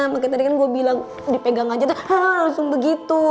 makanya tadi kan gue bilang dipegang aja deh langsung begitu